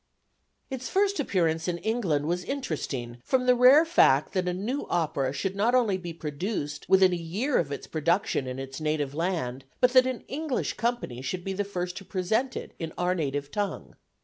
Its first appearance in England was interesting from the rare fact that a new opera should not only be produced within a year of its production in its native land, but that an English company should be the first to present it in our native tongue.